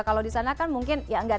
kalau di sana kan mungkin ya enggak